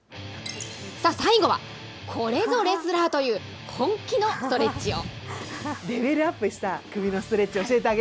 さあ、最後はこれぞレスラーという、本気のストレッチを。